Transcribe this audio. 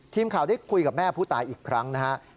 ทีมข่าวได้คุยกับแม่ผู้ตายอีกครั้งนะครับ